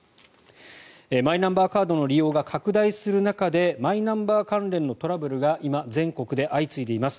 マイナンバーカードの利用が拡大する中でマイナンバー関連のトラブルが今、全国で相次いでいます。